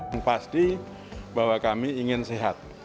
yang pasti bahwa kami ingin sehat